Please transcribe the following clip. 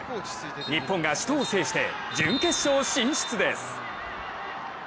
日本が死闘を制して準決勝進出です。